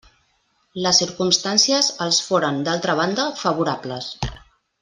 Les circumstàncies els foren, d'altra banda, favorables.